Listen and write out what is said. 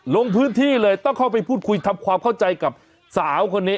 ลงพื้นที่เลยต้องเข้าไปพูดคุยทำความเข้าใจกับสาวคนนี้